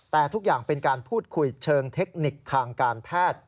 แต่ทุกอย่างเป็นการพูดคุยเชิงเทคนิคทางการแพทย์